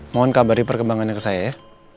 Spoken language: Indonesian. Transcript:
mohon kabari perkembangannya ke saya